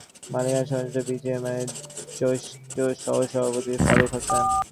এ নিয়েই কথা বলেছেন পোশাকশিল্প মালিকদের সংগঠন বিজিএমইএর জ্যেষ্ঠ সহসভাপতি ফারুক হাসান।